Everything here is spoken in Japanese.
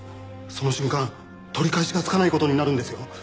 その瞬間取り返しがつかない事になるんですよ。